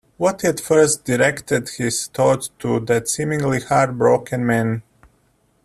What had first directed his thoughts to that seemingly heart-broken man?